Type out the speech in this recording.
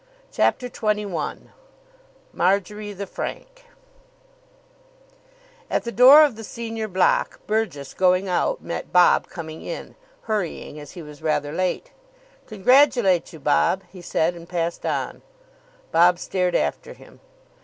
CHAPTER XXI MARJORY THE FRANK At the door of the senior block Burgess, going out, met Bob coming in, hurrying, as he was rather late. "Congratulate you, Bob," he said; and passed on. Bob stared after him.